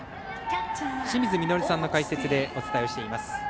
清水稔さんの解説でお伝えしています。